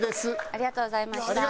ありがとうございます。